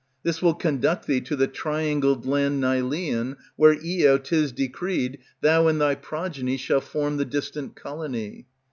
This will conduct thee to the triangled land Nilean, where, Io, 't is decreed Thou and thy progeny shall form the distant colony.